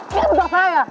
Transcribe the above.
niat udah saya